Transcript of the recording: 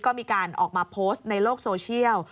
ก็มีการออกมาโพสต์ในโลกโซเชียล